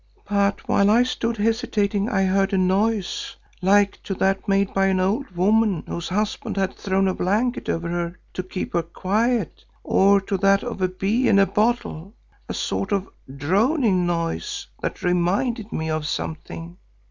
But while I stood hesitating I heard a noise like to that made by an old woman whose husband had thrown a blanket over her head to keep her quiet, or to that of a bee in a bottle, a sort of droning noise that reminded me of something.